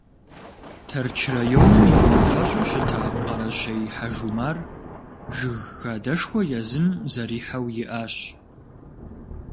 Тэрч районым и унафэщӏу щыта Къэрэщей Хьэжумар жыг хадэшхуэ езым зэрихьэу иӏащ.